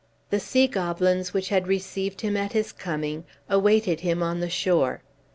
The sea goblins which had received him at his coming awaited him on the shore.